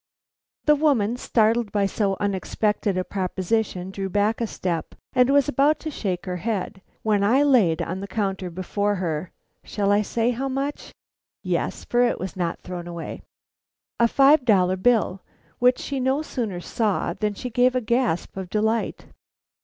The woman, startled by so unexpected a proposition, drew back a step, and was about to shake her head, when I laid on the counter before her (shall I say how much? Yes, for it was not thrown away) a five dollar bill, which she no sooner saw than she gave a gasp of delight.